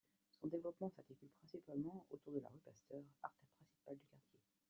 Son développement s'articule principalement autour de la rue Pasteur, artère principale du quartier.